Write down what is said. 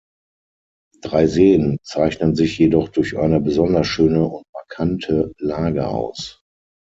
Drei Seen zeichnen sich jedoch durch eine besonders schöne und markante Lage aus.